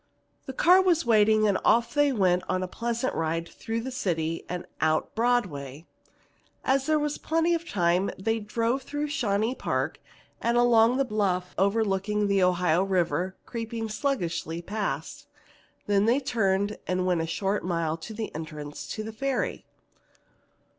The car was waiting, and off they went on the pleasant ride through the city and out Broadway. As there was plenty of time, they drove through Shawnee Park and along the bluff overlooking the Ohio River creeping sluggishly past. Then they turned, and went a short mile to the entrance to the Ferry.